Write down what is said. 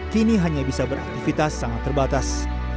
kini hanya bisa beraktivitas sangat terbatas